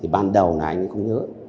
ban đầu là anh ấy không nhớ